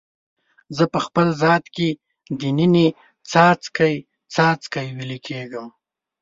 زه په خپل ذات کې د ننه څاڅکي، څاڅکي ویلي کیږم